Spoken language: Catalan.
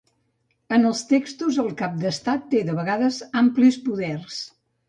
En els textos, el cap d'Estat té de vegades amplis poders.